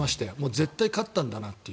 絶対勝ったんだなという。